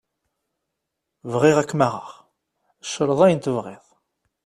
Bɣiɣ ad k-maɣeɣ, creḍ ayen tebɣiḍ.